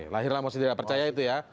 lahirlah musik tidak percaya itu ya